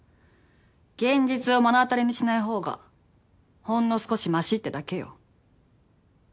現実を目の当たりにしない方がほんの少しましってだけよ。